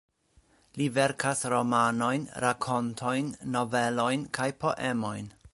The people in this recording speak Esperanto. Li verkas romanojn, rakontojn, novelojn kaj poemojn.